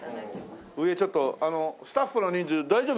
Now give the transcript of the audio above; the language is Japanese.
上ちょっとスタッフの人数大丈夫？